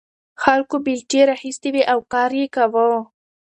خلکو بیلچې راخیستې وې او کار یې کاوه.